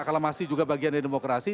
kalau masih bagian dari demokrasi